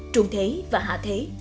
trung thế và hạ thế